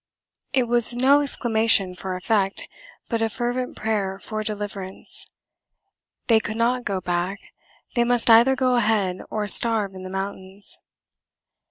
It was no exclamation for effect, but a fervent prayer for deliverance. They could not go back; they must either go ahead or starve in the mountains.